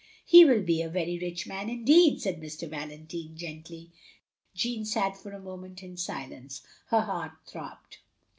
"He will be a very rich man indeed,'* said Mr. Valentine, gently. Jeanne sat for a moment in silence; her heart throbbed.